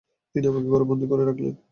তিনি আমাকে ঘরে বন্দী করে রাখলেন।